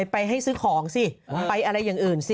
ไปซื้อของไปอะไรอย่างอื่น